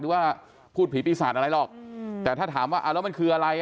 ว่าพูดผีปีศาจอะไรหรอกแต่ถ้าถามว่าเอาแล้วมันคืออะไร